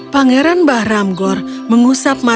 pangeran bahramgor mengusap mata dia